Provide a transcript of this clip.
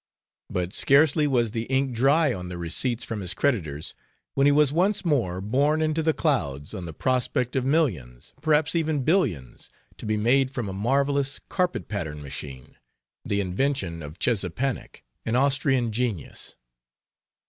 But scarcely was the ink dry on the receipts from his creditors when he was once more borne into the clouds on the prospect of millions, perhaps even billions, to be made from a marvelous carpet pattern machine, the invention of Sczezepanik, an Austrian genius.